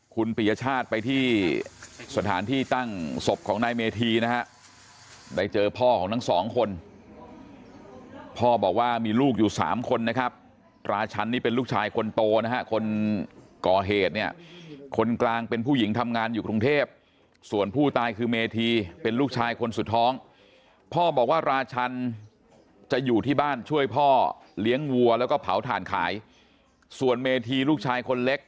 คุณปียชาติไปที่สถานที่ตั้งศพของนายเมธีนะฮะได้เจอพ่อของทั้งสองคนพ่อบอกว่ามีลูกอยู่สามคนนะครับราชันนี่เป็นลูกชายคนโตนะฮะคนก่อเหตุเนี่ยคนกลางเป็นผู้หญิงทำงานอยู่กรุงเทพส่วนผู้ตายคือเมธีเป็นลูกชายคนสุดท้องพ่อบอกว่าราชันจะอยู่ที่บ้านช่วยพ่อเลี้ยงวัวแล้วก็เผาถ่านขายส่วนเมธีลูกชายคนเล็ก